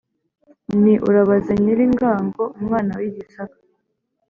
Nti : Urabaze Nyilingango umwana w’I gisaka